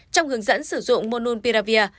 trong hướng dẫn sử dụng monopiravir